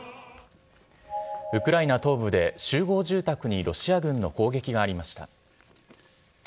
ウクライナ東部で集合住宅にロシア軍の攻撃がありました。